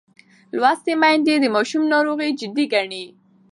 لوستې میندې د ماشوم ناروغي جدي ګڼي.